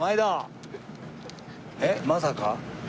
えっまさか。